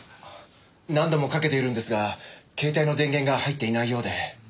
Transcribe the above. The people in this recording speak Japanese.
何度もかけているんですが携帯の電源が入っていないようで。